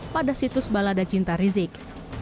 pada situs balada cinta rizik